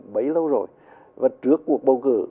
bấy lâu rồi và trước cuộc bầu cử